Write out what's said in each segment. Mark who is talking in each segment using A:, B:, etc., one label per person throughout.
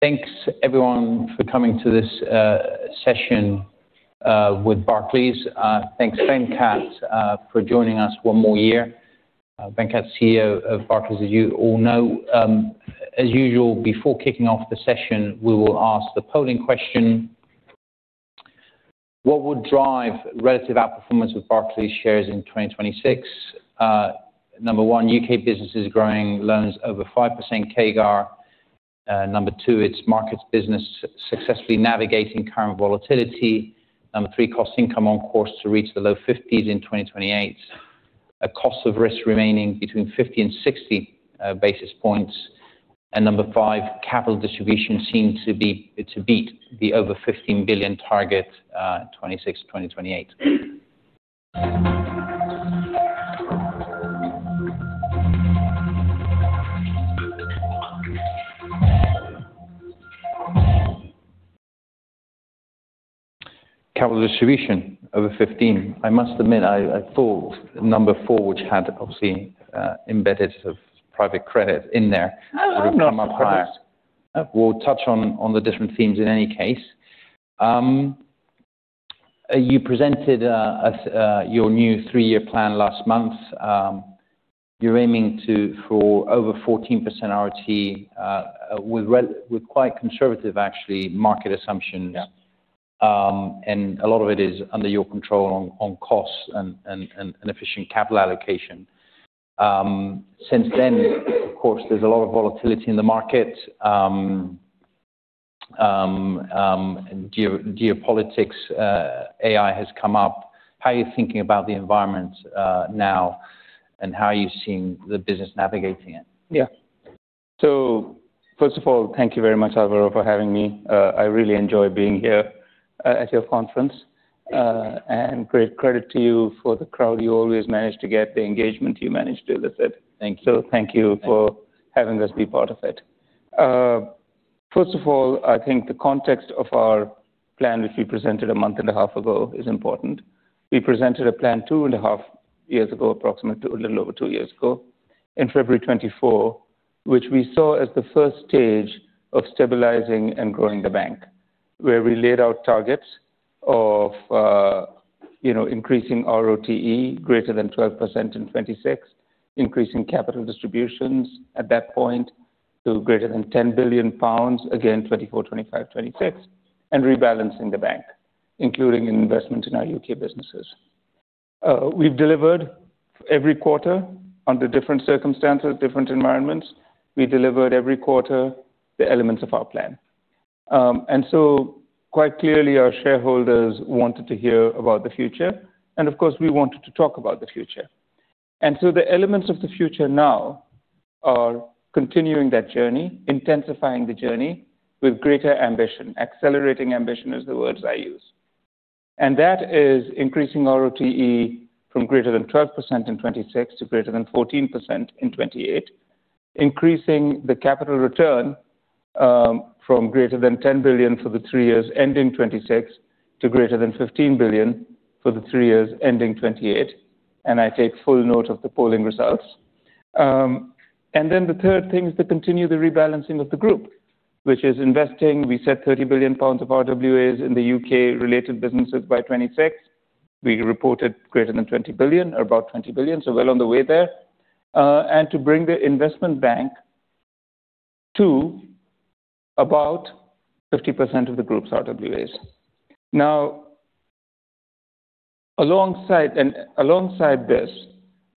A: Thanks, everyone, for coming to this session with Barclays. Thanks Venkat, for joining us one more year. Venkat, CEO of Barclays, as you all know. As usual, before kicking off the session, we will ask the polling question. What would drive relative outperformance with Barclays shares in 2026? Number one, U.K. businesses growing loans over 5% CAGR. Number two, its markets business successfully navigating current volatility. Number three, cost:income on course to reach the low fifties in 2028. Cost of risk remaining between 50 and 60 basis points. Number five, capital distribution seems to be to beat the over £15 billion target, 2026 to 2028. Capital distribution over fifteen. I must admit, I thought number four, which had obviously embedded of private credit in there would come up higher.
B: Oh, I'm not surprised.
A: We'll touch on the different themes in any case. You presented your new three-year plan last month. You're aiming for over 14% ROTE with quite conservative, actually, market assumptions.
B: Yeah.
A: A lot of it is under your control on costs and efficient capital allocation. Since then, of course, there's a lot of volatility in the market. Geopolitics, AI has come up. How are you thinking about the environment now, and how are you seeing the business navigating it?
B: Yeah. So first of all, thank you very much, Alvaro, for having me. I really enjoy being here, at your conference. Great credit to you for the crowd you always manage to get, the engagement you manage to elicit.
A: Thank you.
B: Thank you for having us be part of it. First of all, I think the context of our plan, which we presented 1.5 months ago, is important. We presented a plan 2.5 years ago, approximately a little over two years ago, in February 2024, which we saw as the first stage of stabilizing and growing the bank, where we laid out targets of increasing ROTE greater than 12% in 2026, increasing capital distributions at that point to greater than 10 billion pounds, again, 2024, 2025, 2026, and rebalancing the bank, including investment in our U.K. businesses. We've delivered every quarter under different circumstances, different environments. We delivered every quarter the elements of our plan. Quite clearly, our shareholders wanted to hear about the future, and of course, we wanted to talk about the future. The elements of the future now are continuing that journey, intensifying the journey with greater ambition. Accelerating ambition is the words I use. That is increasing ROTE from greater than 12% in 2026 to greater than 14% in 2028. Increasing the capital return from greater than 10 billion for the three years ending 2026 to greater than 15 billion for the three years ending 2028. I take full note of the polling results. The third thing is to continue the rebalancing of the group, which is investing. We said 30 billion pounds of RWAs in the U.K.-related businesses by 2026. We reported greater than 20 billion or about 20 billion, so well on the way there. To bring the investment bank to about 50% of the group's RWAs. Now, alongside this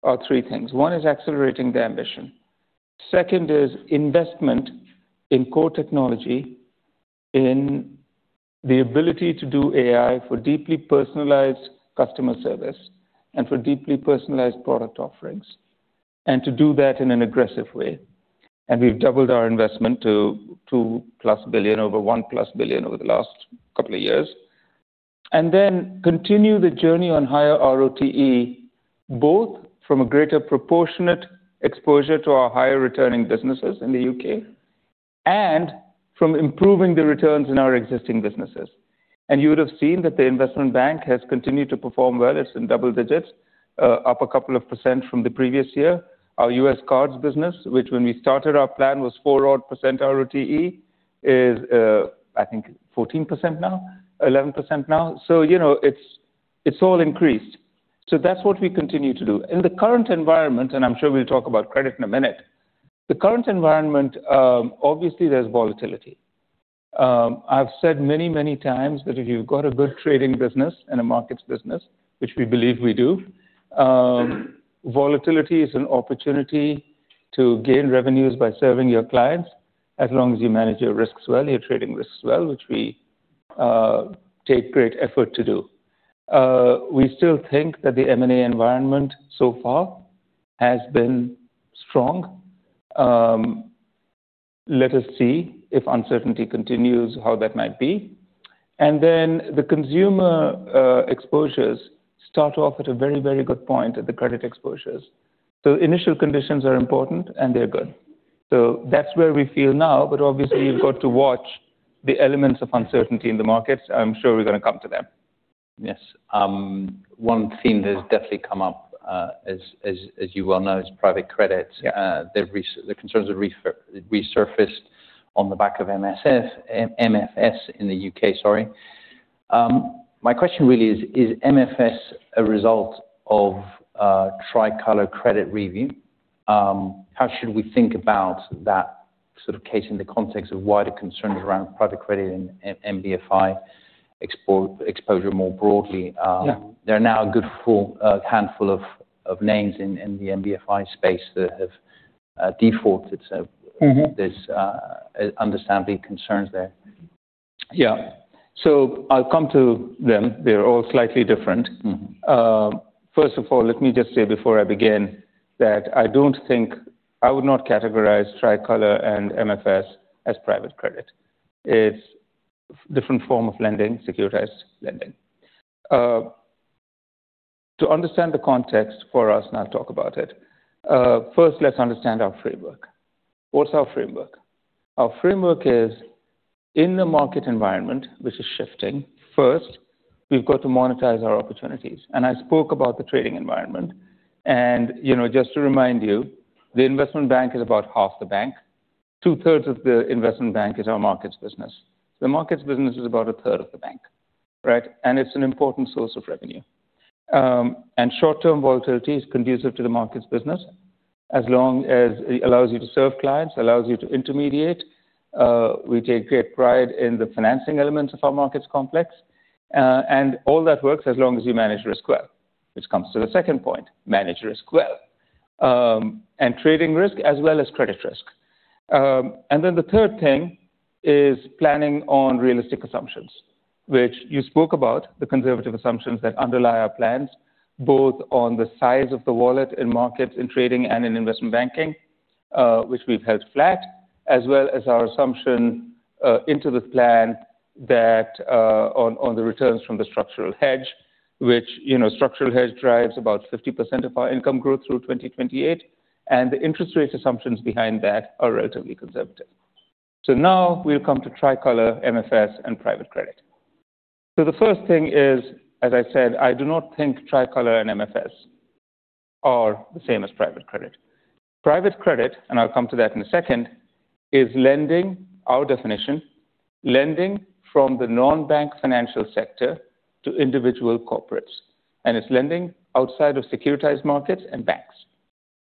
B: are three things. One is accelerating the ambition. Second is investment in core technology and in the ability to do AI for deeply personalized customer service and for deeply personalized product offerings, and to do that in an aggressive way. We've doubled our investment to 2+ billion over 1+ billion over the last couple of years. Continue the journey on higher ROTE, both from a greater proportionate exposure to our higher returning businesses in the U.K. and from improving the returns in our existing businesses. You would have seen that the investment bank has continued to perform well. It's in double digits, up a couple of % from the previous year. Our U.S. cards business, which when we started our plan was 4-odd percent ROTE is, I think, 14% now, 11% now. You know, it's all increased. That's what we continue to do. In the current environment, and I'm sure we'll talk about credit in a minute, the current environment, obviously there's volatility. I've said many, many times that if you've got a good trading business and a markets business, which we believe we do, volatility is an opportunity to gain revenues by serving your clients as long as you manage your risks well, your trading risks well, which we take great effort to do. We still think that the M&A environment so far has been strong. Let us see if uncertainty continues how that might be. Then the consumer exposures start off at a very, very good point, as the credit exposures. Initial conditions are important, and they're good. That's where we feel now, but obviously, you've got to watch the elements of uncertainty in the markets. I'm sure we're gonna come to them.
A: Yes. One theme that has definitely come up, as you well know, is private credit.
B: Yeah.
A: The concerns have resurfaced on the back of MFS in the U.K., sorry. My question really is MFS a result of Tricolor credit review? How should we think about that sort of case in the context of wider concerns around private credit and NBFI exposure more broadly?
B: Yeah.
A: There are now a good full handful of names in the NBFI space that have defaulted. So this understand the concerns there.
B: Yeah. I'll come to them. They're all slightly different. First of all, let me just say before I begin that I don't think I would not categorize Tricolor and MFS as private credit. It's different form of lending, securitized lending. To understand the context for us, and I'll talk about it, first, let's understand our framework. What's our framework? Our framework is in the market environment, which is shifting, first, we've got to monetize our opportunities. I spoke about the trading environment. Just to remind you, the investment bank is about half the bank. Two-thirds of the investment bank is our markets business. The markets business is about a third of the bank, right? It's an important source of revenue. Short-term volatility is conducive to the markets business as long as it allows you to serve clients, allows you to intermediate. We take great pride in the financing elements of our markets complex. All that works as long as you manage risk well, which comes to the second point, manage risk well. Trading risk as well as credit risk. The third thing is planning on realistic assumptions, which you spoke about the conservative assumptions that underlie our plans, both on the size of the wallet in markets, in trading and in investment banking, which we've held flat, as well as our assumption into the plan that on the returns from the structural hedge, which, you know, structural hedge drives about 50% of our income growth through 2028, and the interest rate assumptions behind that are relatively conservative. Now we'll come to Tricolor, MFS, and private credit. The first thing is, as I said, I do not think Tricolor and MFS are the same as private credit. Private credit, I'll come to that in a second, is lending, our definition, lending from the non-bank financial sector to individual corporates. It's lending outside of securitized markets and banks,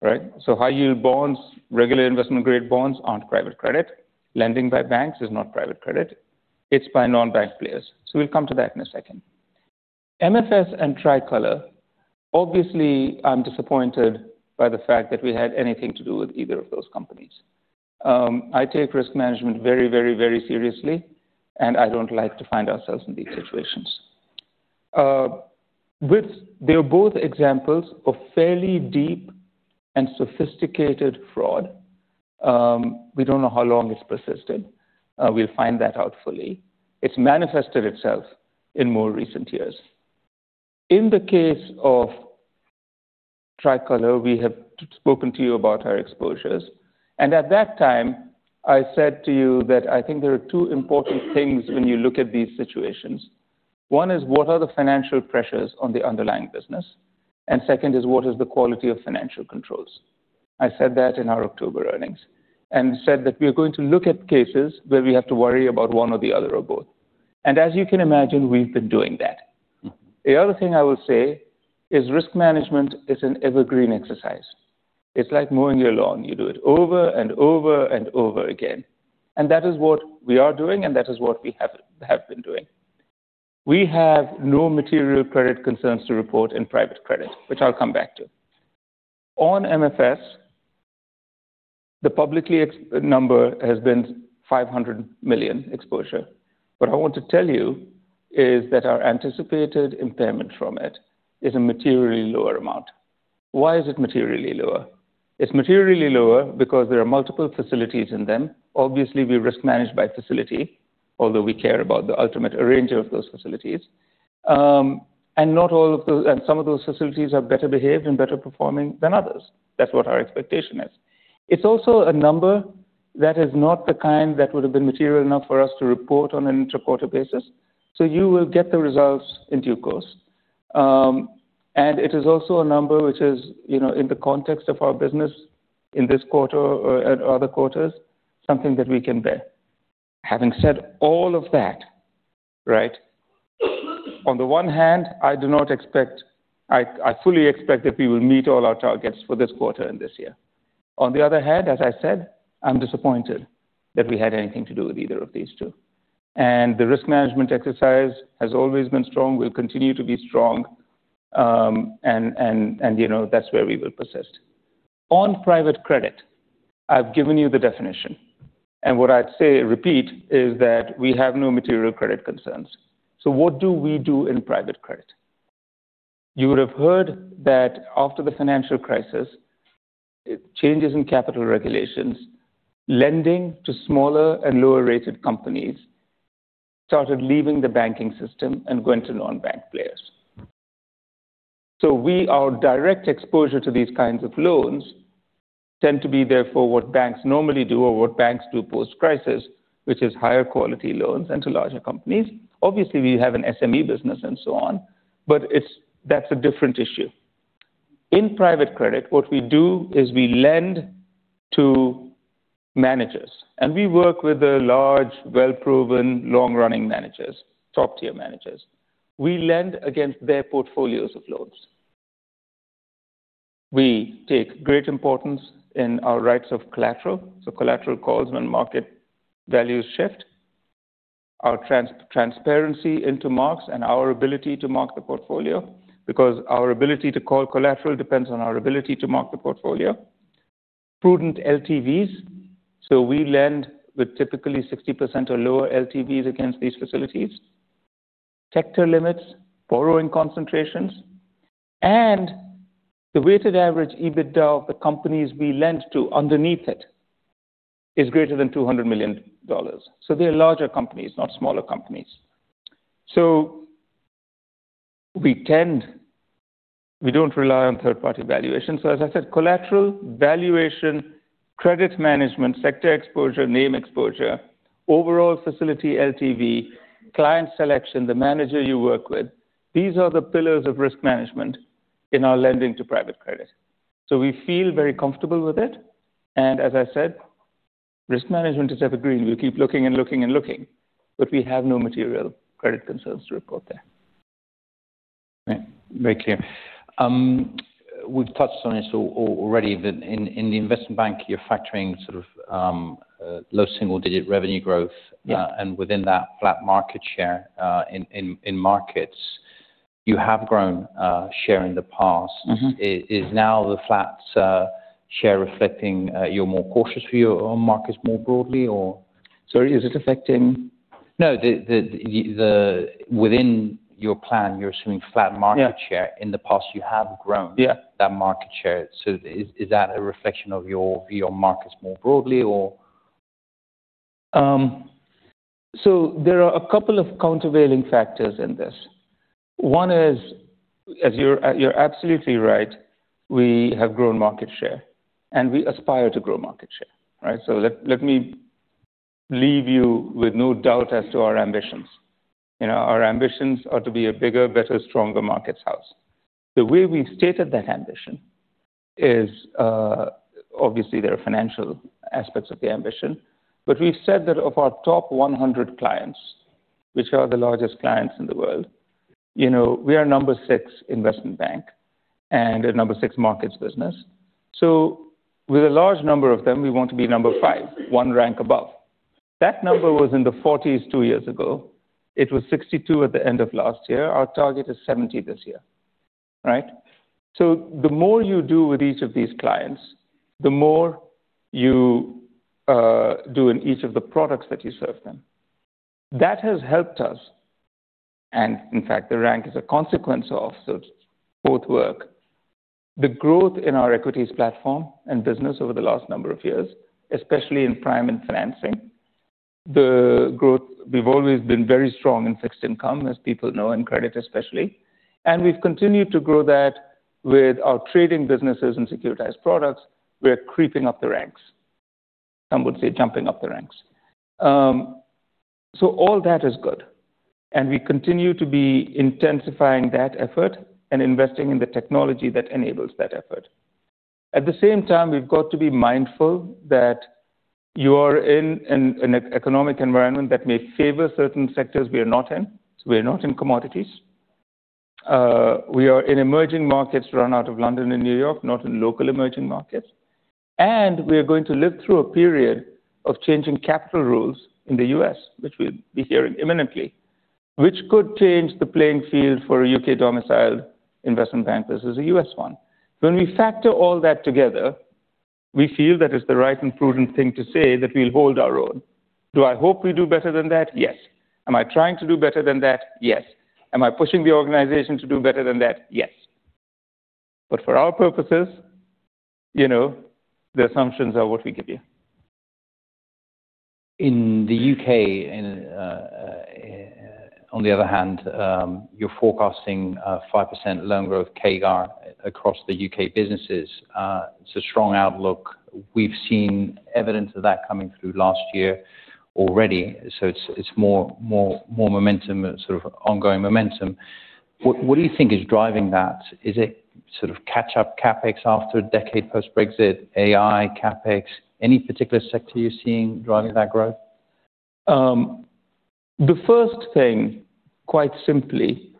B: right? High-yield bonds, regular investment-grade bonds aren't private credit. Lending by banks is not private credit. It's by non-bank players. We'll come to that in a second. MFS and Tricolor, obviously, I'm disappointed by the fact that we had anything to do with either of those companies. I take risk management very seriously, and I don't like to find ourselves in these situations. They are both examples of fairly deep and sophisticated fraud. We don't know how long it's persisted. We'll find that out fully. It's manifested itself in more recent years. In the case of Tricolor, we have spoken to you about our exposures, and at that time, I said to you that I think there are two important things when you look at these situations. One is what are the financial pressures on the underlying business? Second is what is the quality of financial controls? I said that in our October earnings, and said that we are going to look at cases where we have to worry about one or the other or both. As you can imagine, we've been doing that. The other thing I will say is risk management is an evergreen exercise. It's like mowing your lawn. You do it over and over and over again. That is what we are doing, and that is what we have been doing. We have no material credit concerns to report in private credit, which I'll come back to. On MFS, the public exposure has been 500 million. What I want to tell you is that our anticipated impairment from it is a materially lower amount. Why is it materially lower? It's materially lower because there are multiple facilities in them. Obviously, we risk manage by facility, although we care about the ultimate arranger of those facilities. Some of those facilities are better behaved and better performing than others. That's what our expectation is. It's also a number that is not the kind that would have been material enough for us to report on an inter-quarter basis. You will get the results in due course. It is also a number which is in the context of our business in this quarter and other quarters, something that we can bear. Having said all of that, right, on the one hand, I fully expect that we will meet all our targets for this quarter and this year. On the other hand, as I said, I'm disappointed that we had anything to do with either of these two. The risk management exercise has always been strong, will continue to be strong, that's where we will persist. On private credit, I've given you the definition, and what I'd say, repeat, is that we have no material credit concerns. What do we do in private credit? You would have heard that after the financial crisis, changes in capital regulations, lending to smaller and lower-rated companies started leaving the banking system and going to non-bank players. We, our direct exposure to these kinds of loans tends to be, therefore, what banks normally do or what banks do post-crisis, which is higher quality loans and to larger companies. Obviously, we have an SME business and so on, but it's, that's a different issue. In private credit, what we do is we lend to managers, and we work with the large, well-proven, long-running managers, top-tier managers. We lend against their portfolios of loans. We take great importance in our rights of collateral. Collateral calls when market values shift. Our transparency into marks and our ability to mark the portfolio because our ability to call collateral depends on our ability to mark the portfolio. Prudent LTVs, so we lend with typically 60% or lower LTVs against these facilities. Sector limits, borrowing concentrations, and the weighted average EBITDA of the companies we lend to underneath it is greater than $200 million. They're larger companies, not smaller companies. We don't rely on third-party valuations. As I said, collateral, valuation, credit management, sector exposure, name exposure, overall facility LTV, client selection, the manager you work with. These are the pillars of risk management in our lending to private credit. We feel very comfortable with it. As I said, risk management is evergreen. We keep looking and looking and looking, but we have no material credit concerns to report there.
A: Right. Very clear. We've touched on this already, but in the investment bank, you're factoring low single-digit revenue growth.
B: Yeah.
A: Within that flat market share, in markets you have grown share in the past. Is now the flat share reflecting your more cautious view on markets more broadly or?
B: Sorry, is it affecting?
A: No. Within your plan, you're assuming flat market share.
B: Yeah.
A: In the past, you have grown that market share. Is that a reflection of your view on markets more broadly, or?
B: There are a couple of countervailing factors in this. One is, as you're absolutely right, we have grown market share, and we aspire to grow market share, right? Let me leave you with no doubt as to our ambitions. Our ambitions are to be a bigger, better, stronger markets house. The way we've stated that ambition is, obviously, there are financial aspects of the ambition, but we've said that of our top 100 clients, which are the largest clients in the world, we are number six investment bank and a number six markets business. With a large number of them, we want to be number five, one rank above. That number was in the 40s two years ago. It was 62 at the end of last year. Our target is 70 this year, right? The more you do with each of these clients, the more you do in each of the products that you serve them. That has helped us, and in fact, the rank is a consequence of both work. The growth in our equities platform and business over the last number of years, especially in prime and financing. We've always been very strong in fixed income, as people know, in credit, especially. We've continued to grow that with our trading businesses and securitized products. We are creeping up the ranks. Some would say jumping up the ranks. All that is good. We continue to be intensifying that effort and investing in the technology that enables that effort. At the same time, we've got to be mindful that you are in an economic environment that may favour certain sectors we are not in. We are not in commodities. We are in emerging markets run out of London and New York, not in local emerging markets. We are going to live through a period of changing capital rules in the U.S., which we'll be hearing imminently, which could change the playing field for a U.K.-domiciled investment bank versus a U.S. one. When we factor all that together, we feel that it's the right and prudent thing to say that we'll hold our own. Do I hope we do better than that? Yes. Am I trying to do better than that? Yes. Am I pushing the organization to do better than that? Yes. For our purposes, the assumptions are what we give you.
A: In the U.K., on the other hand, you're forecasting a 5% loan growth CAGR across the U.K. businesses. It's a strong outlook. We've seen evidence of that coming through last year already. It's more momentum, sort of ongoing momentum. What do you think is driving that? Is it sort of catch-up CapEx after a decade post-Brexit, AI, CapEx? Any particular sector you're seeing driving that growth?
B: The first thing, quite simply,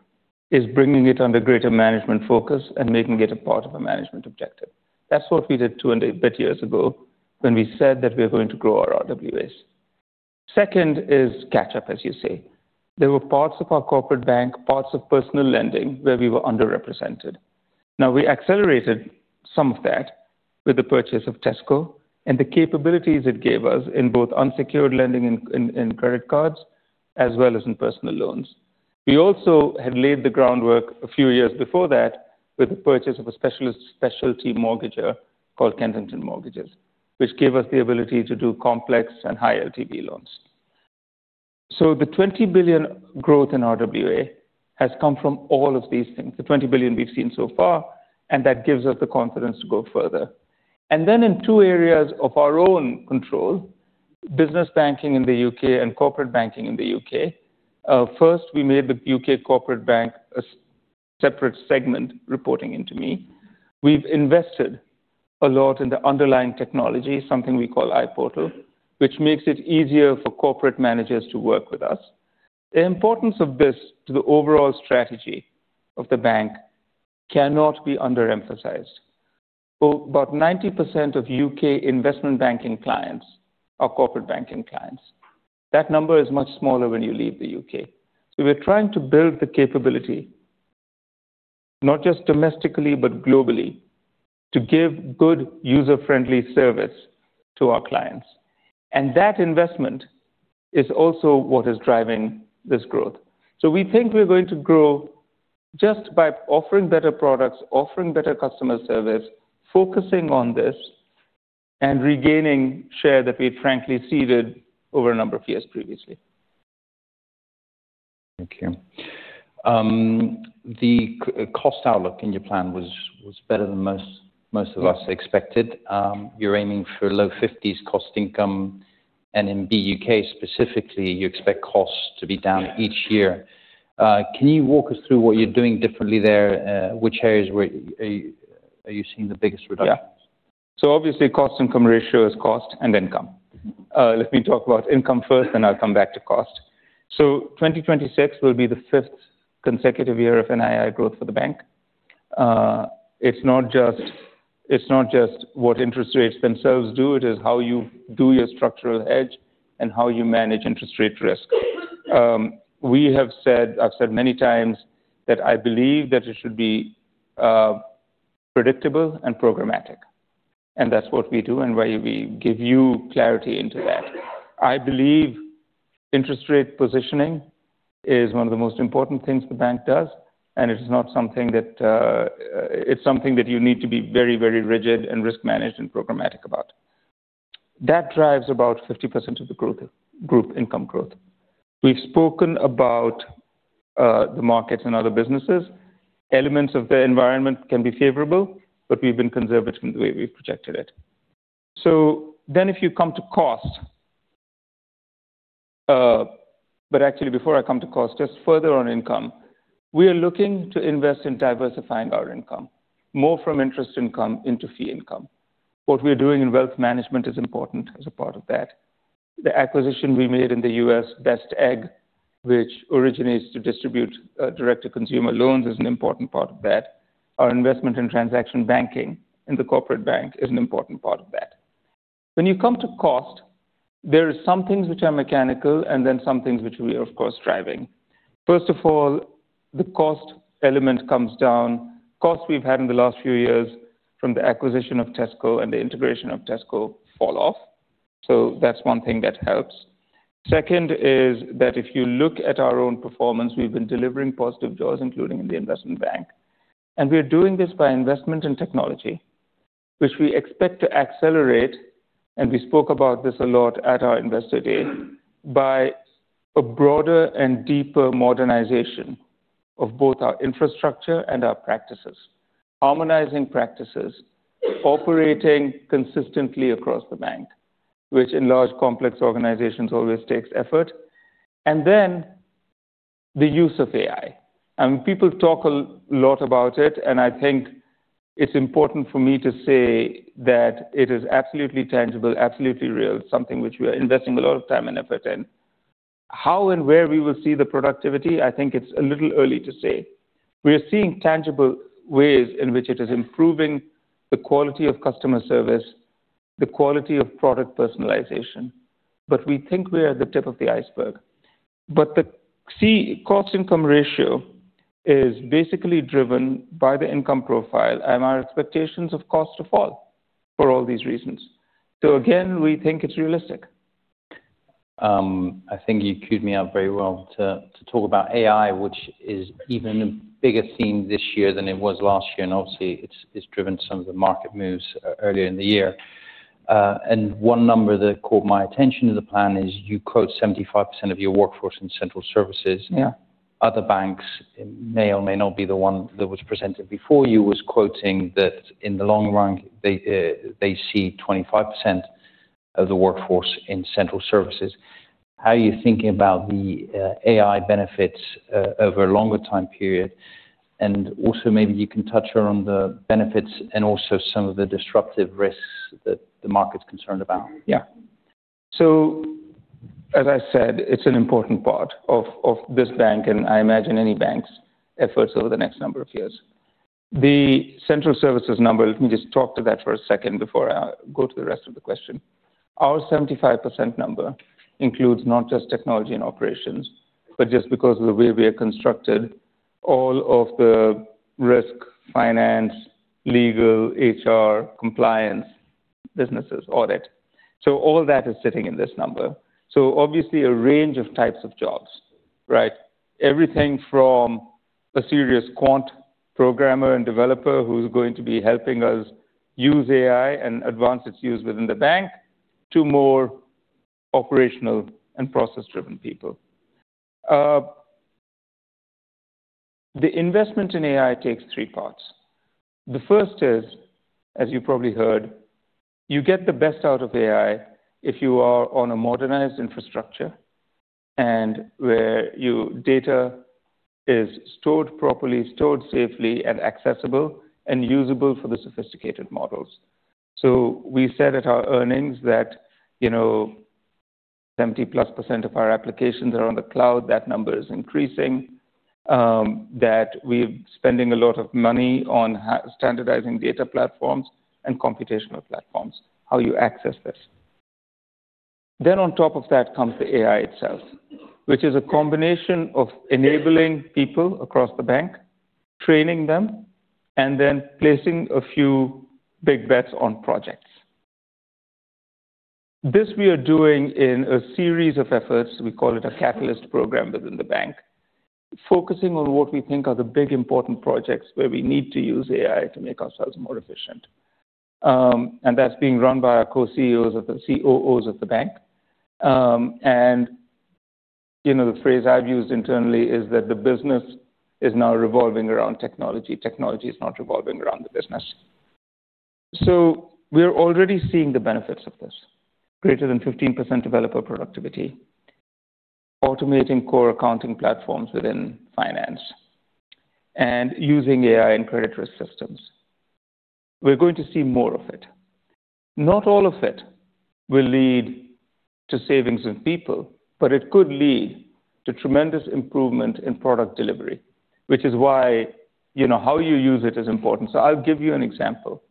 B: is bringing it under greater management focus and making it a part of a management objective. That's what we did two and a bit years ago when we said that we're going to grow our RWAs. Second is catch up, as you say. There were parts of our corporate bank, parts of personal lending, where we were underrepresented. Now, we accelerated some of that with the purchase of Tesco and the capabilities it gave us in both unsecured lending in credit cards as well as in personal loans. We also had laid the groundwork a few years before that with the purchase of a specialist mortgage lender called Kensington Mortgages, which gave us the ability to do complex and high LTV loans. The 20 billion growth in RWAs has come from all of these things. The 20 billion we've seen so far, and that gives us the confidence to go further. In two areas of our own control, business banking in the U.K. and corporate banking in the U.K. First, we made the U.K. corporate bank a separate segment reporting into me. We've invested a lot in the underlying technology, something we call iPortal, which makes it easier for corporate managers to work with us. The importance of this to the overall strategy of the bank cannot be underemphasized. About 90% of U.K. investment banking clients are corporate banking clients. That number is much smaller when you leave the U.K. We're trying to build the capability, not just domestically but globally, to give good user-friendly service to our clients. That investment is also what is driving this growth. We think we're going to grow just by offering better products, offering better customer service, focusing on this, and regaining share that we've frankly seeded over a number of years previously.
A: Thank you. The cost outlook in your plan was better than most of us expected. You're aiming for a low 50s cost:income, and in BUK specifically, you expect costs to be down each year. Can you walk us through what you're doing differently there? Which areas are you seeing the biggest reductions?
B: Yeah. Obviously, cost income ratio is cost and income. Let me talk about income first, and I'll come back to cost. 2026 will be the fifth consecutive year of NII growth for the bank. It's not just what interest rates themselves do. It is how you do your structural hedge and how you manage interest rate risk. We have said, I've said many times, that I believe that it should be predictable and programmatic, and that's what we do and why we give you clarity into that. I believe interest rate positioning is one of the most important things the bank does, and it's something that you need to be very, very rigid and risk-managed and programmatic about. That drives about 50% of the growth, group income growth. We've spoken about the markets and other businesses. Elements of the environment can be favourable, but we've been conservative in the way we've projected it. If you come to cost, actually, before I come to cost, just further on income. We are looking to invest in diversifying our income, more from interest income into fee income. What we're doing in wealth management is important as a part of that. The acquisition we made in the U.S., Best Egg, which originates to distribute direct to consumer loans, is an important part of that. Our investment in transaction banking in the corporate bank is an important part of that. When you come to cost, there are some things which are mechanical and then some things which we are, of course, driving. First of all, the cost element comes down. Costs we've had in the last few years from the acquisition of Tesco and the integration of Tesco fall off. That's one thing that helps. Second is that if you look at our own performance, we've been delivering positive jaws, including in the investment bank. We are doing this by investment in technology, which we expect to accelerate, and we spoke about this a lot at our Investor Day, by a broader and deeper modernization of both our infrastructure and our practices. Harmonizing practices, operating consistently across the bank, which in large complex organizations always takes effort. Then the use of AI. People talk a lot about it, and I think it's important for me to say that it is absolutely tangible, absolutely real, something which we are investing a lot of time and effort in. How and where we will see the productivity, I think it's a little early to say. We are seeing tangible ways in which it is improving the quality of customer service, the quality of product personalization, but we think we are at the tip of the iceberg. The cost:income ratio is basically driven by the income profile and our expectations of costs to fall for all these reasons. Again, we think it's realistic.
A: I think you cued me up very well to talk about AI, which is even a bigger theme this year than it was last year, and obviously, it's driven some of the market moves earlier in the year. One number that caught my attention to the plan is you quote 75% of your workforce in central services.
B: Yeah.
A: Other banks, it may or may not be the one that was presented before you, was quoting that in the long run, they see 25% of the workforce in central services. How are you thinking about the AI benefits over a longer time period? Also, maybe you can touch around the benefits and also some of the disruptive risks that the market's concerned about.
B: Yeah. As I said, it's an important part of this bank, and I imagine any bank's efforts over the next number of years. The central services number, let me just talk to that for a second before I go to the rest of the question. Our 75% number includes not just technology and operations, but just because of the way we are constructed, all of the risk, finance, legal, HR, compliance, businesses, audit. All that is sitting in this number. Obviously, a range of types of jobs. Right. Everything from a serious quant programmer and developer who's going to be helping us use AI and advance its use within the bank to more operational and process-driven people. The investment in AI takes three parts. The first is, as you probably heard, you get the best out of AI if you are on a modernized infrastructure and where your data is stored properly, stored safely, and accessible and usable for the sophisticated models. We said at our earnings that 70%+ of our applications are on the cloud. That number is increasing, that we're spending a lot of money on standardizing data platforms and computational platforms, how you access this. On top of that comes the AI itself, which is a combination of enabling people across the bank, training them, and then placing a few big bets on projects. This we are doing in a series of efforts. We call it a catalyst program within the bank, focusing on what we think are the big, important projects where we need to use AI to make ourselves more efficient. That's being run by our Co-CEOs and COOs of the bank. The phrase I've used internally is that the business is now revolving around technology. Technology is not revolving around the business. We're already seeing the benefits of this. Greater than 15% developer productivity, automating core accounting platforms within finance, and using AI in credit risk systems. We're going to see more of it. Not all of it will lead to savings in people, but it could lead to tremendous improvement in product delivery, which is why, how you use it is important. I'll give you an example.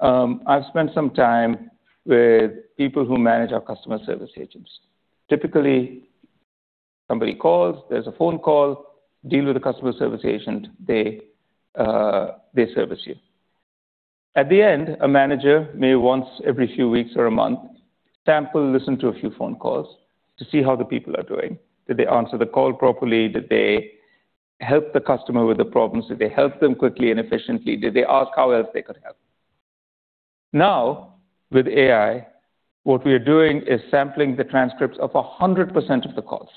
B: I've spent some time with people who manage our customer service agents. Typically, somebody calls, there's a phone call, you deal with a customer service agent, they service you. At the end, a manager may once every few weeks or a month sample, listen to a few phone calls to see how the people are doing. Did they answer the call properly? Did they help the customer with the problems? Did they help them quickly and efficiently? Did they ask how else they could help? Now, with AI, what we are doing is sampling the transcripts of 100% of the calls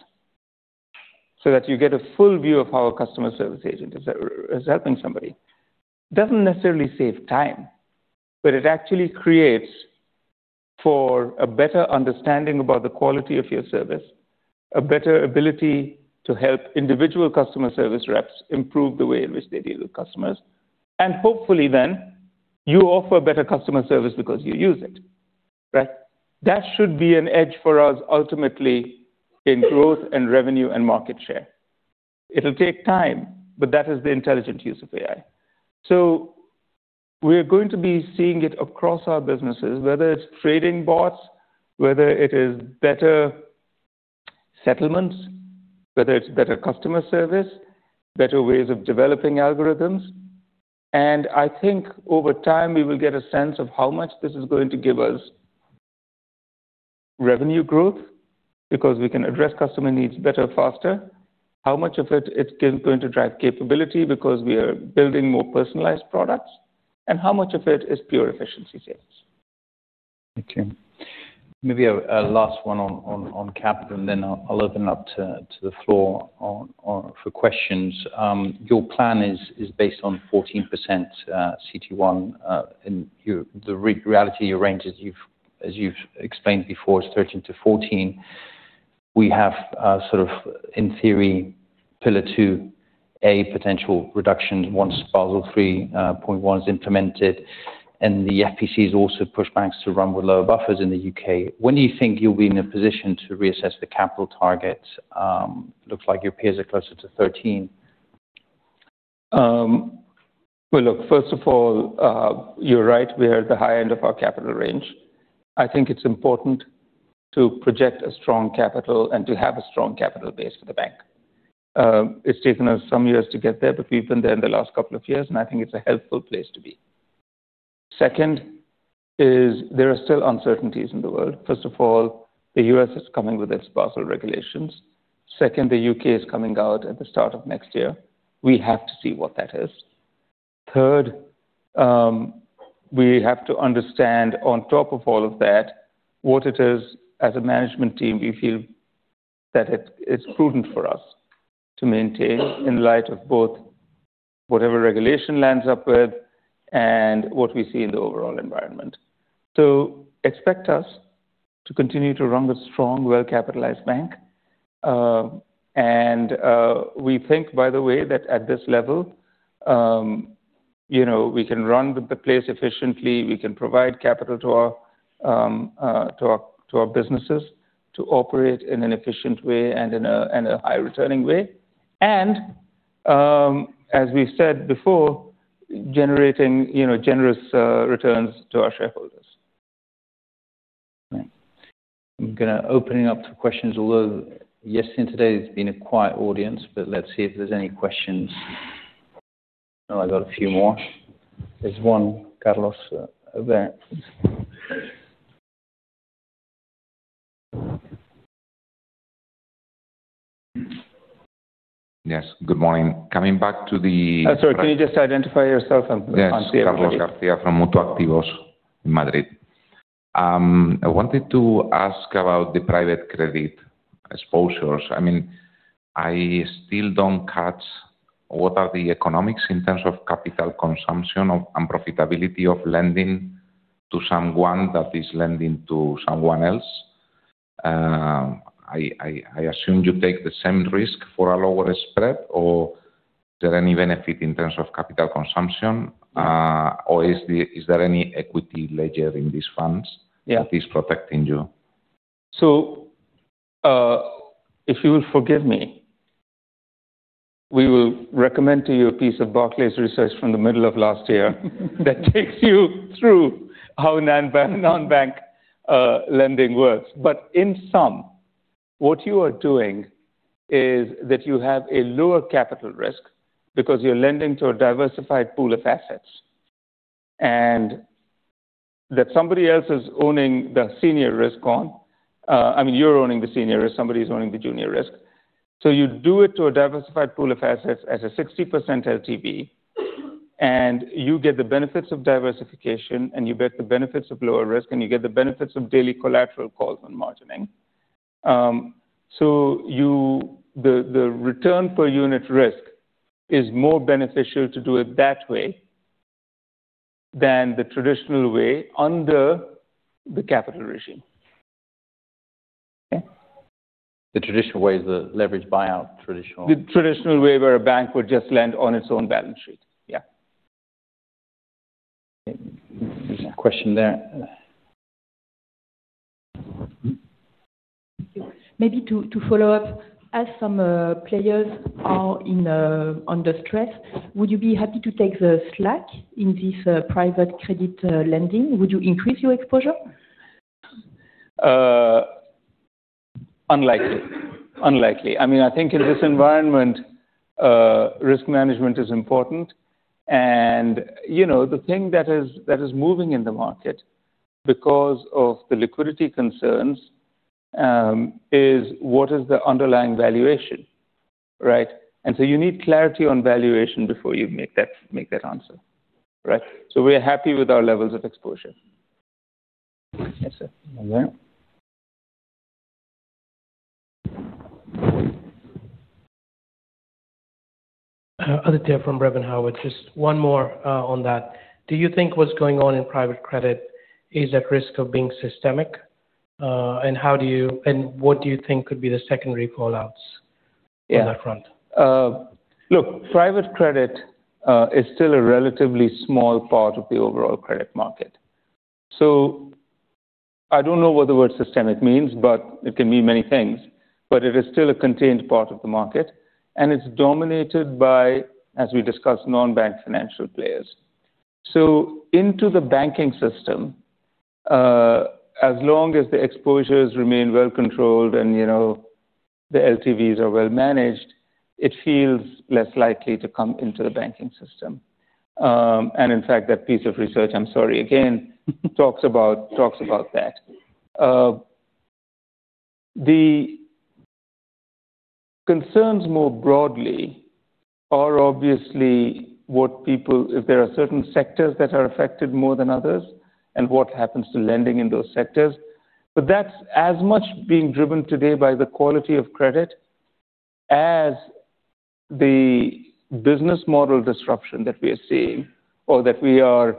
B: so that you get a full view of how a customer service agent is helping somebody. It doesn't necessarily save time, but it actually creates for a better understanding about the quality of your service, a better ability to help individual customer service reps improve the way in which they deal with customers, and hopefully then you offer better customer service because you use it, right? That should be an edge for us ultimately in growth and revenue, and market share. It'll take time, but that is the intelligent use of AI. We're going to be seeing it across our businesses, whether it's trading bots, whether it is better settlements, whether it's better customer service, better ways of developing algorithms. I think over time, we will get a sense of how much this is going to give us revenue growth, because we can address customer needs better, faster. How much of it is going to drive capability because we are building more personalized products, and how much of it is pure efficiency savings?
A: Thank you. Maybe a last one on capital, and then I'll open up to the floor for questions. Your plan is based on 14% CET1 in your the reality range, as you've explained before, is 13%-14%. We have in theory, Pillar 2A potential reduction once Basel 3.1 is implemented, and the FPCs has also pushed banks to run with lower buffers in the U.K.. When do you think you'll be in a position to reassess the capital targets? Looks like your peers are closer to 13%.
B: Well, look, first of all, you're right. We are at the high end of our capital range. I think it's important to project a strong capital and to have a strong capital base for the bank. It's taken us some years to get there, but we've been there in the last couple of years, and I think it's a helpful place to be. Second is there are still uncertainties in the world. First of all, the U.S. is coming with its Basel regulations. Second, the U.K. is coming out at the start of next year. We have to see what that is. Third, we have to understand on top of all of that, what it is as a management team, we feel that it's prudent for us to maintain in light of both whatever regulation lands up with and what we see in the overall environment. Expect us to continue to run a strong, well-capitalized bank. We think, by the way, that at this level, we can run the place efficiently. We can provide capital to our businesses to operate in an efficient way and in a high returning way. As we said before, generating generous returns to our shareholders.
A: Right. I'm gonna open it up to questions, although yesterday and today has been a quiet audience, but let's see if there's any questions. Oh, I got a few more. There's one, Carlos, over there.
C: Yes. Good morning. Coming back to the
B: Oh, sorry. Can you just identify yourself?
C: Yes. Carlos García from Mutuactivos, in Madrid. I wanted to ask about the private credit exposures. I mean, I still don't catch what are the economics in terms of capital consumption and profitability of lending to someone that is lending to someone else. I assume you take the same risk for a lower spread, or is there any benefit in terms of capital consumption? Or is there any equity ledger in these funds that is protecting you?
B: If you will forgive me, we will recommend to you a piece of Barclays research from the middle of last year that takes you through how non-bank lending works. But in sum, what you are doing is that you have a lower capital risk because you're lending to a diversified pool of assets, and that somebody else is owning the senior risk on. I mean, you're owning the senior risk, somebody's owning the junior risk. You do it to a diversified pool of assets as a 60% LTV, and you get the benefits of diversification, and you get the benefits of lower risk, and you get the benefits of daily collateral calls and margining. The return per unit risk is more beneficial to do it that way than the traditional way under the capital regime. Okay?
C: The traditional way is the leveraged buyout.
B: The traditional way where a bank would just lend on its own balance sheet. Yeah.
A: There's a question there.
D: Thank you. Maybe to follow up, as some players are under stress, would you be happy to take the slack in this private credit lending? Would you increase your exposure?
B: Unlikely. I mean, I think in this environment, risk management is important. The thing that is moving in the market because of the liquidity concerns is what is the underlying valuation, right? You need clarity on valuation before you make that answer, right? We're happy with our levels of exposure.
D: Yes, sir.
E: Aditya from Brevan Howard. Just one more, on that. Do you think what's going on in private credit is at risk of being systemic? What do you think could be the secondary call-outs on that front?
B: Look, private credit is still a relatively small part of the overall credit market. I don't know what the word systemic means, but it can mean many things. It is still a contained part of the market, and it's dominated by, as we discussed, non-bank financial players. Into the banking system, as long as the exposures remain well controlled and the LTVs are well managed, it feels less likely to come into the banking system. In fact, that piece of research, I'm sorry again, talks about that. The concerns more broadly are obviously what people if there are certain sectors that are affected more than others and what happens to lending in those sectors. That's as much being driven today by the quality of credit as the business model disruption that we are seeing or that we are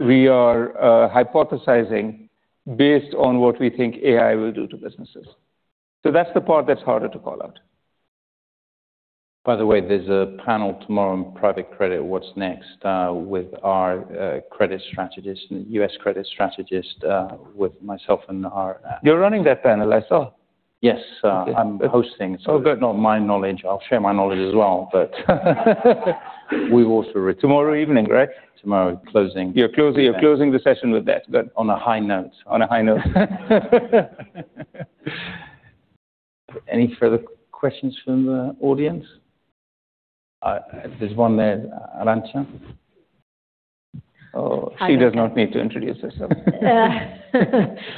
B: hypothesizing based on what we think AI will do to businesses. That's the part that's harder to call out.
A: By the way, there's a panel tomorrow on private credit, what's next, with our U.S. credit strategist, with myself and our-
B: You're running that panel, I saw.
A: Yes. I'm hosting.
B: Oh, good.
A: To my knowledge. I'll share my knowledge as well, but we'll walk through it.
B: Tomorrow evening, correct?
A: Tomorrow closing.
B: You're closing the session with that. Good.
A: On a high note.
B: On a high note.
A: Any further questions from the audience? There's one there, Arancha. Oh, she does not need to introduce herself.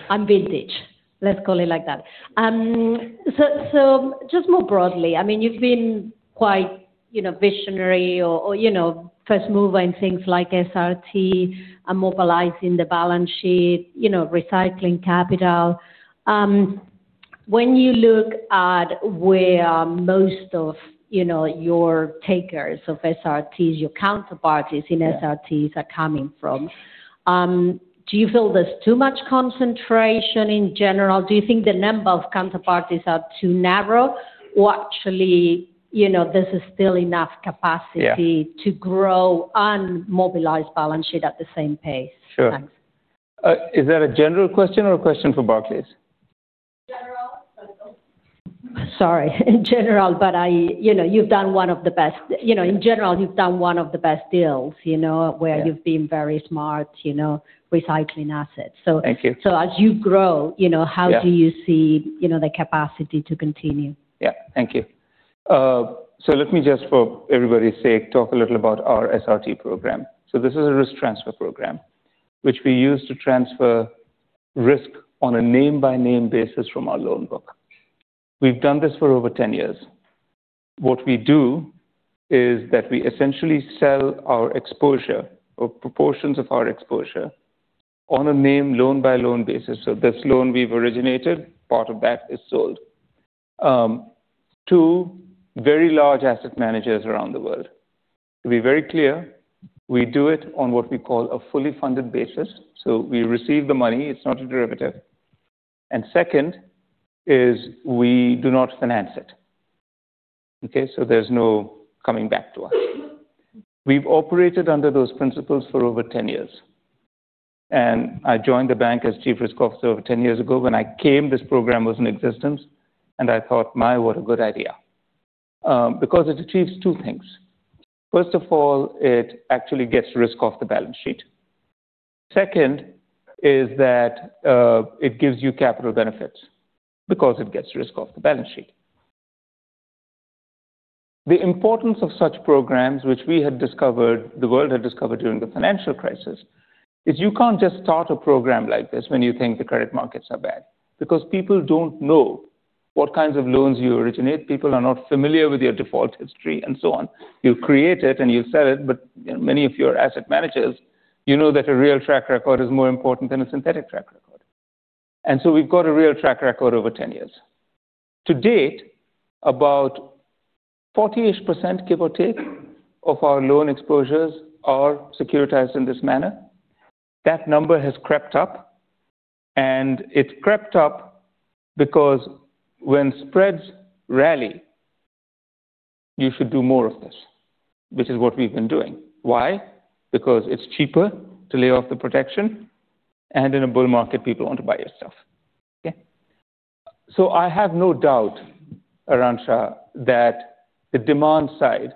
F: I'm vintage. Let's call it like that. Just more broadly, I mean, you've been quite visionary or you know, first mover in things like SRT and mobilizing the balance sheet, recycling capital. When you look at where most of your takers of SRTs, your counterparties in SRTs are coming from, do you feel there's too much concentration in general? Do you think the number of counterparties are too narrow or actually this is still enough capacity to grow and mobilize balance sheet at the same pace?
B: Sure.
F: Thanks.
B: Is that a general question or a question for Barclays?
F: General. Sorry. In general, you've done one of the best deals, you know.
B: Yeah
F: Where you've been very smart, you know, recycling assets.
B: Thank you.
F: So as you grow, how do you see the capacity to continue?
B: Yeah. Thank you. Let me just, for everybody's sake, talk a little about our SRT program. This is a risk transfer program which we use to transfer risk on a name-by-name basis from our loan book. We've done this for over 10 years. What we do is that we essentially sell our exposure or proportions of our exposure on a name loan by loan basis. This loan we've originated, part of that is sold to very large asset managers around the world. To be very clear, we do it on what we call a fully funded basis. We receive the money, it's not a derivative. Second is we do not finance it. Okay, so there's no coming back to us. We've operated under those principles for over 10 years. I joined the bank as chief risk officer over 10 years ago. When I came, this program was in existence, and I thought, my, what a good idea. Because it achieves two things. First of all, it actually gets risk off the balance sheet. Second is that it gives you capital benefits because it gets risk off the balance sheet. The importance of such programs, which we had discovered, the world had discovered during the financial crisis, is you can't just start a program like this when you think the credit markets are bad because people don't know what kinds of loans you originate. People are not familiar with your default history and so on. You create it, and you sell it, but many of your asset managers, that a real track record is more important than a synthetic track record. We've got a real track record over 10 years. To date, about 40%-ish give or take of our loan exposures are securitized in this manner. That number has crept up, and it crept up because when spreads rally, you should do more of this, which is what we've been doing. Why? Because it's cheaper to lay off the protection, and in a bull market, people want to buy your stuff. Okay? I have no doubt, Arancha, that the demand side,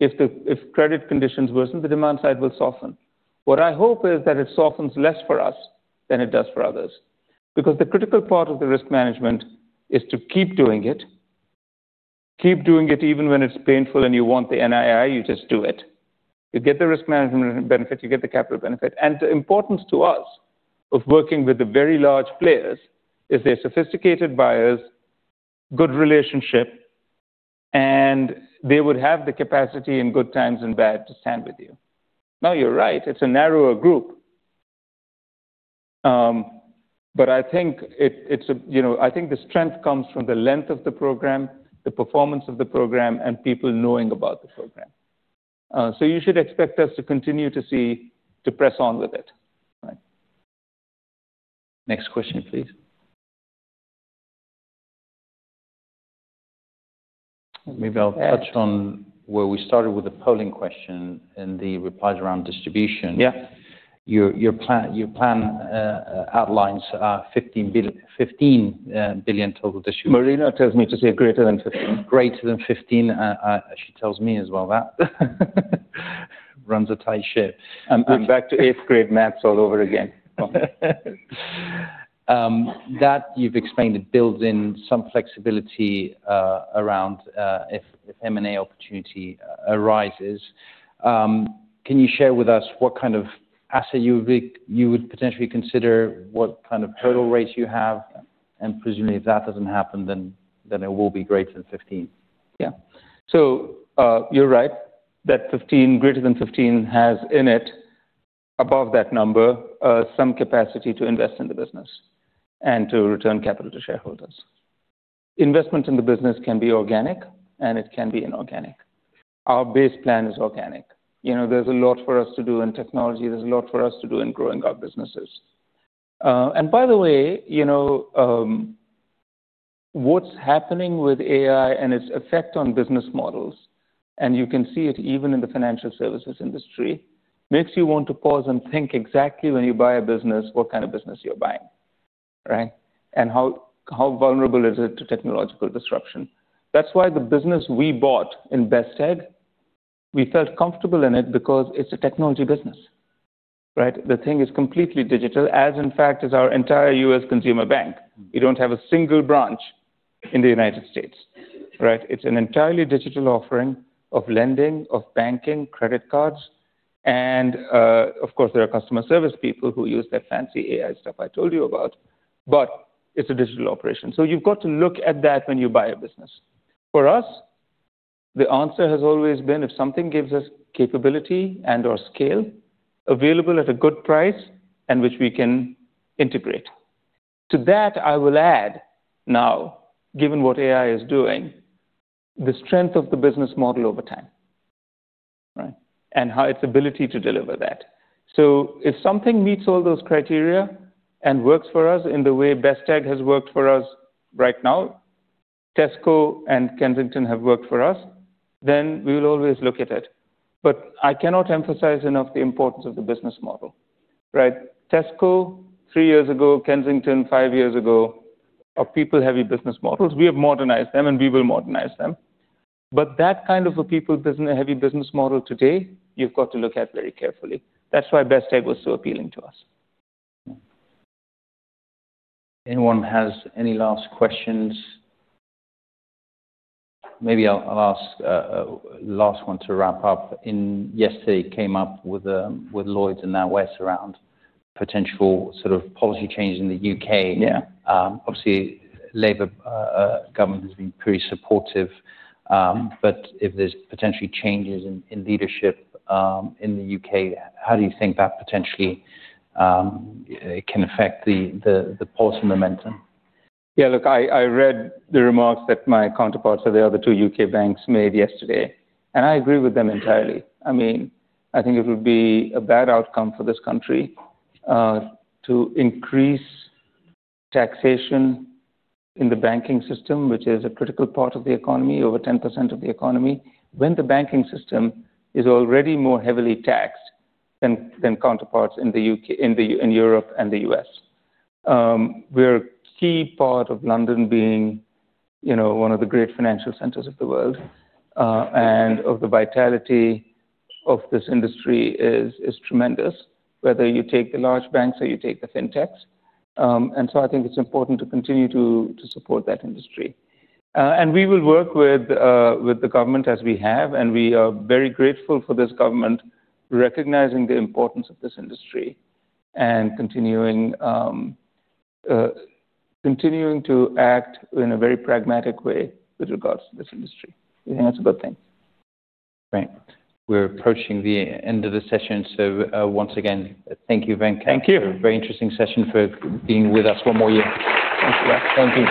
B: if credit conditions worsen, the demand side will soften. What I hope is that it softens less for us than it does for others, because the critical part of the risk management is to keep doing it. Keep doing it even when it's painful, and you want the NII, you just do it. You get the risk management benefit, you get the capital benefit. The importance to us of working with the very large players is they're sophisticated buyers, good relationship, and they would have the capacity in good times and bad to stand with you. No, you're right. It's a narrower group. But I think it's, you know, I think the strength comes from the length of the program, the performance of the program, and people knowing about the program. So you should expect us to continue to press on with it. Next question, please.
A: Maybe I'll touch on where we started with the polling question and the replies around distribution.
B: Yeah.
A: Your plan outlines a 15 billion total distribution.
B: Marina tells me to say greater than 15.
A: Greater than 15. She tells me as well. That runs a tight ship.
B: We're back to eighth-grade math all over again.
A: That you've explained it builds in some flexibility around if M&A opportunity arises. Can you share with us what kind of asset you would potentially consider, what kind of total RWAs you have? Presumably, if that doesn't happen, then it will be greater than 15.
B: Yeah. You're right that 15%, greater than 15%, has in it above that number, some capacity to invest in the business and to return capital to shareholders. Investments in the business can be organic and it can be inorganic. Our base plan is organic. There's a lot for us to do in technology. There's a lot for us to do in growing our businesses. By the way, what's happening with AI and its effect on business models, and you can see it even in the financial services industry, makes you want to pause and think exactly when you buy a business, what kind of business you're buying, right? And how vulnerable is it to technological disruption? That's why the business we bought in Best Egg, we felt comfortable in it because it's a technology business, right? The thing is completely digital, as in fact, is our entire U.S. consumer bank. We don't have a single branch in the United States, right? It's an entirely digital offering of lending, of banking, credit cards. Of course, there are customer service people who use that fancy AI stuff I told you about, but it's a digital operation. You've got to look at that when you buy a business. For us, the answer has always been, if something gives us capability and/or scale available at a good price and which we can integrate. To that, I will add now, given what AI is doing, the strength of the business model over time, right? How its ability to deliver that? If something meets all those criteria and works for us in the way Best Egg has worked for us right now, Tesco and Kensington have worked for us, then we will always look at it. I cannot emphasize enough the importance of the business model, right? Tesco three years ago, Kensington five years ago, are people-heavy business models. We have modernized them, and we will modernize them. That kind of a people business-heavy business model today, you've got to look at very carefully. That's why Best Egg was so appealing to us.
A: Anyone has any last questions? Maybe I'll ask last one to wrap up. Yesterday, you came up with Lloyds and NatWest around potential sort of policy change in the U.K.
B: Yeah.
A: Obviously, Labour government has been pretty supportive, but if there's potentially changes in leadership in the U.K., how do you think that potentially can affect the pulse and momentum?
B: Yeah, look, I read the remarks that my counterparts of the other two U.K. banks made yesterday, and I agree with them entirely. I mean, I think it would be a bad outcome for this country to increase taxation in the banking system, which is a critical part of the economy, over 10% of the economy, when the banking system is already more heavily taxed than counterparts in Europe and the U.S. We're a key part of London being, one of the great financial centers of the world, and of the vitality of this industry is tremendous, whether you take the large banks or you take the fintechs. I think it's important to continue to support that industry. We will work with the government as we have, and we are very grateful for this government recognizing the importance of this industry and continuing to act in a very pragmatic way with regards to this industry. We think that's a good thing.
A: Great. We're approaching the end of the session. Once again, thank you, Venkat.
B: Thank you.
A: Very interesting session for being with us one more year. Thank you.